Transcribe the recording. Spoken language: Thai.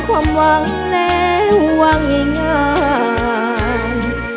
ภูมิสุภาพยาบาลภูมิสุภาพยาบาล